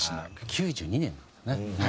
９２年なんですね。